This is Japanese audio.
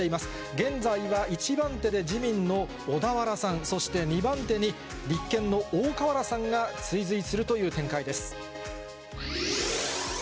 現在は１番手で自民の小田原さん、そして２番手に立憲の大河原さんが追随するという展開です。